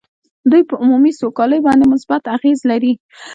دوی په عمومي سوکالۍ باندې مثبت اغېز لري